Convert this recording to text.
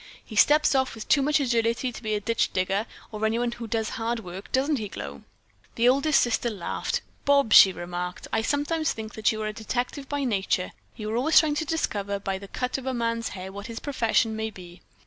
He steps off with too much agility to be a ditch digger, or anyone who does hard work, doesn't he, Glow?" The oldest sister laughed. "Bobs," she remarked, "I sometimes think that you are a detective by nature. You are always trying to discover by the cut of a man's hair what his profession may be."